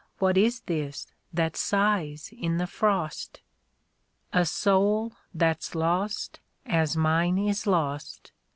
what is this that sighs in the frost ?"*' A soul that's lost as mine is lost.